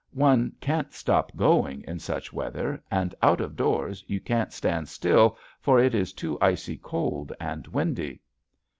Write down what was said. One can't stop going in such weather, and out of doors you can't stand still for it is too icy cold and windy.